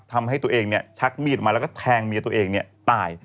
ทำให้ตัวเองชักมีดมาแล้วก็แทงเมียตัวเองตาย